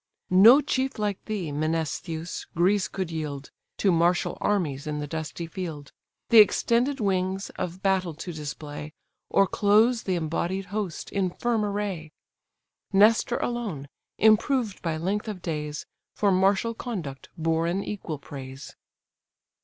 No chief like thee, Menestheus! Greece could yield, To marshal armies in the dusty field, The extended wings of battle to display, Or close the embodied host in firm array. Nestor alone, improved by length of days, For martial conduct bore an equal praise.